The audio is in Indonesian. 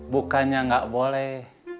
bukannya gak boleh